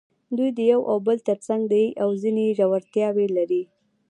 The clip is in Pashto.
دوی د یو او بل تر څنګ دي او ځینې ژورتیاوې لري.